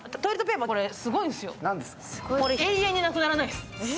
永遠になくならないです。